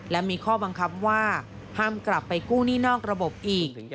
และมีข้อบังคับว่าห้ามกลับไปกู้หนี้นอกระบบอีก